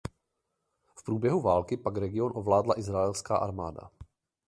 V průběhu války pak region ovládla izraelská armáda.